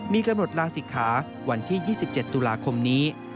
มีกำหนดลาศิกขาวันที่๒๗ตุลาคมนี้